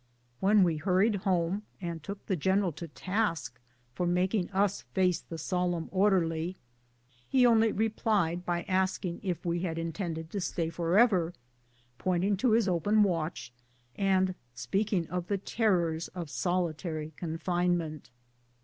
When we hurried home, and took the general to task for making us face the solemn orderly, he only replied by asking if we had intended to stay forever, pointing to his open watch, and speaking of the terrors of solitary coniinement